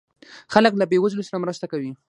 خلک له بې وزلو سره مرسته کوي.